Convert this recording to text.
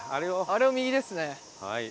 あれを右ですね。